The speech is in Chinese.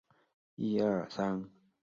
宣美及朴轸永等明星亦到场支持。